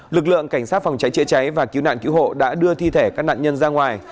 lực lượng cảnh sát phòng cháy chữa cháy và cứu nạn cứu hộ đã đưa thi thể các nạn nhân ra ngoài